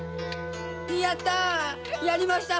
やった！